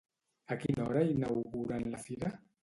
A quina hora inauguren la fira?